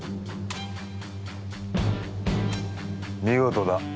見事だ。